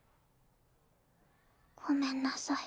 ごめんなさい。